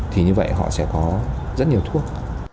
thì như vậy họ sẽ có rất nhiều thuốc